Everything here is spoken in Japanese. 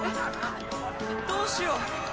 どうしよう！